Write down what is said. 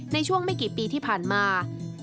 ในช่วงไม่กี่ปีที่ผ่านมา